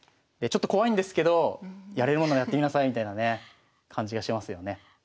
ちょっと怖いんですけどやれるもんならやってみなさいみたいなね感じがしますよね。